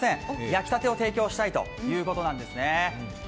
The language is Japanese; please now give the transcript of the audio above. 焼きたてを提供したいということなんですね。